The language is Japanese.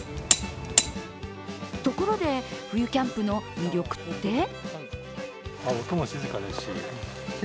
ところで、冬キャンプの魅力って？